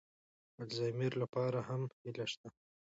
الزایمر لپاره هم هیله شته.